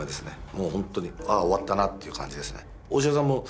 もうほんとにああ終わったなっていう感じですね。